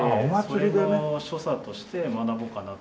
それの所作として学ぼうかなと。